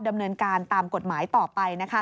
ดำเนินการตามกฎหมายต่อไป